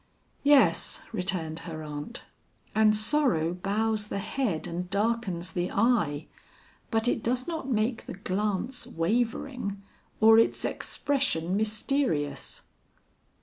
"Yes," returned her aunt, "and sorrow bows the head and darkens the eye, but it does not make the glance wavering or its expression mysterious."